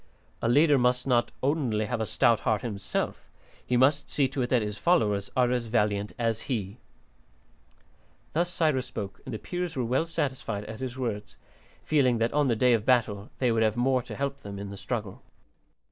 A leader must not only have a stout heart himself; he must see to it that his followers are as valiant as he." Thus Cyrus spoke, and the Peers were well satisfied at his words, feeling that on the day of battle they would have more to help them in the struggle.